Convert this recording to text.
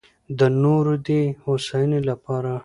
د نورو دې هوساينۍ لپاره